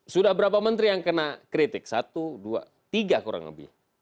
sudah berapa menteri yang kena kritik satu dua tiga kurang lebih